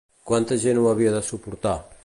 Quanta gent ho havia de suportar?